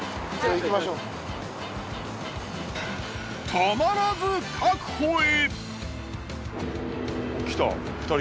たまらず確保へ！